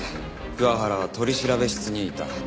桑原は取調室にいた。